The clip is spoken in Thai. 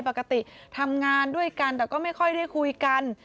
ปกติทำงานด้วยกันแต่ก็ไม่ค่อยได้คุยกัน